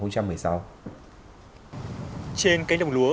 trên cánh đồng lúa